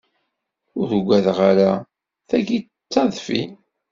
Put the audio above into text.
Ur ugadeɣ ara! Tayi d tadfi!